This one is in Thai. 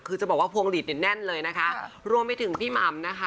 คือจะบอกว่าพวงหลีดเนี่ยแน่นเลยนะคะรวมไปถึงพี่หม่ำนะคะ